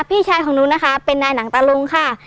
พี่ชายของหนูนะคะเป็นนายหนังตะลุงค่ะ